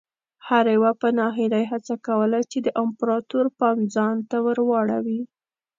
هر یوه په ناهیلۍ هڅه کوله چې د امپراتور پام ځان ته ور واړوي.